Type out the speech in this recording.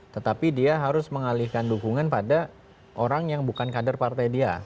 tetapi dia harus mengalihkan dukungan pada orang yang bukan kader partai dia